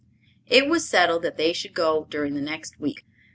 It was settled that they should go during the next week.